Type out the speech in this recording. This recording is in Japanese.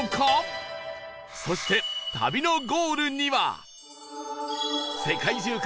そして旅のゴールには